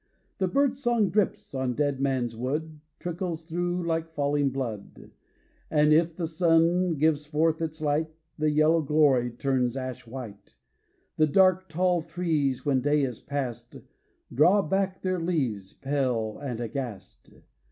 The bird song drips On Dead Man's Wood, Trickles through Like falling blood. And if the sun Gives forth its light. The yellow glory Turns ash white. The dark tall trees, When day is past, Draw back their leaves, Pale and aghast.